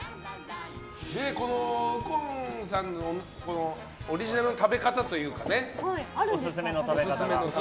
右近さんのオリジナルの食べ方というかねオススメの食べ方が。